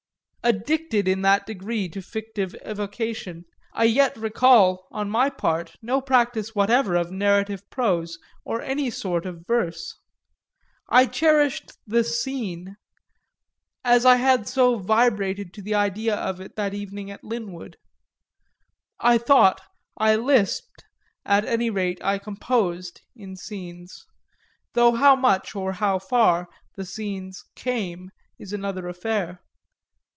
Addicted in that degree to fictive evocation, I yet recall, on my part, no practice whatever of narrative prose or any sort of verse. I cherished the "scene" as I had so vibrated to the idea of it that evening at Linwood; I thought, I lisped, at any rate I composed, in scenes; though how much, or how far, the scenes "came" is another affair.